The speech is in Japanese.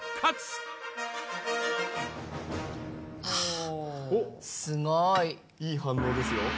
ああっすごーいいい反応ですよ